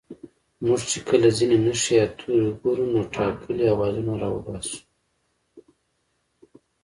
موږ چې کله ځينې نښې يا توري گورو نو ټاکلي آوازونه راوباسو